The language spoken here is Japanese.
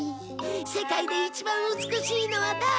世界で一番美しいのは誰？